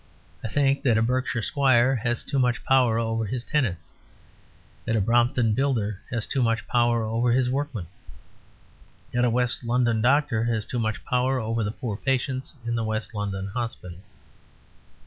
I think that a Berkshire squire has too much power over his tenants; that a Brompton builder has too much power over his workmen; that a West London doctor has too much power over the poor patients in the West London Hospital.